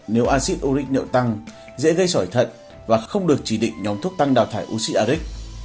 nếu acid uric niệu tăng dễ gây xoải thận và không được chỉ định nhóm thuốc tăng đào thải uric